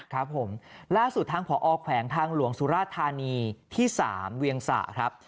ครับผมล่าสุดทางผอแขวงทางหลวงสุราธานีที่๓เวียงสะครับ